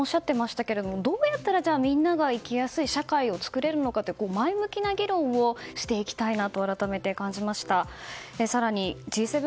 時枝さんもおっしゃっていましたがどうやったらみんなが生きやすい社会を作っていけるか前向きな議論をしていきたいなと改めて、感じました。